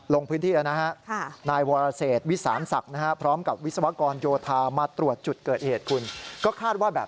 ลงพื้นที่แล้วนะฮะนายวรเศษวิสานศักดิ์นะฮะ